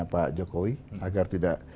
pak jokowi agar tidak